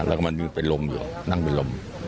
และมันยืนไปล้มอยู่นั่งไปล้ม